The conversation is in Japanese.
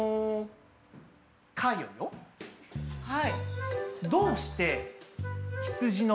はい。